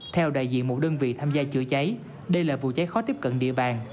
theo đại diện một đơn vị tham gia chữa cháy đây là vụ cháy khó tiếp cận địa bàn